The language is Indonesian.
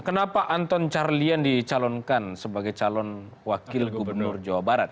kenapa anton carlyan dicalonkan sebagai calon wakil gubernur jawa barat